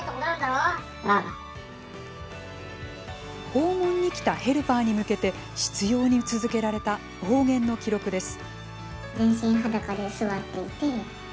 訪問に来たヘルパーに向けて執ように続けられた暴言の記録です。